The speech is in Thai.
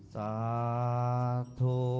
สาธุ